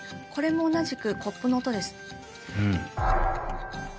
これも同じくコップの音です。